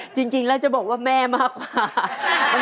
จริงแล้วจะบอกว่าแม่มากกว่า